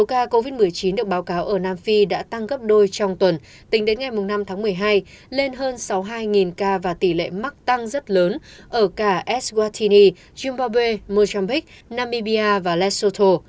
số ca covid một mươi chín được báo cáo ở nam phi đã tăng gấp đôi trong tuần tính đến ngày năm tháng một mươi hai lên hơn sáu mươi hai ca và tỷ lệ mắc tăng rất lớn ở cả edwartini zimbabwe mojambique namibia và lesotal